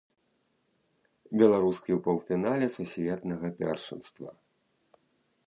Беларускі ў паўфінале сусветнага першынства!